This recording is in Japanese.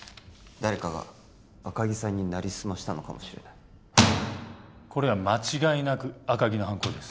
誰かが赤木さんになりすましたのかもしれないこれは間違いなく赤木の犯行です